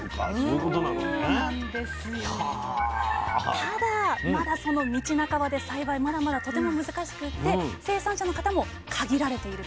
ただまだその道半ばで栽培まだまだとても難しくって生産者の方も限られていると。